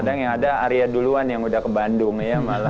kadang yang ada arya duluan yang udah ke bandung ya malah